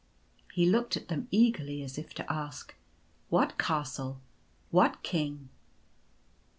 He looked at them eagerly, as if to ask :" What castle ? What king